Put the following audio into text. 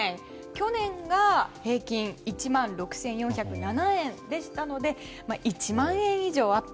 去年が平均１万６４０７円でしたので１万円以上アップ